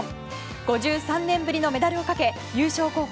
５３年ぶりのメダルをかけ優勝候補